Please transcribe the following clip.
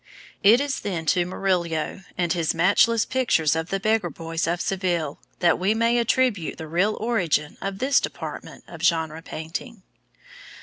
It is then to Murillo and his matchless pictures of the beggar boys of Seville that we may attribute the real origin of this department of genre painting.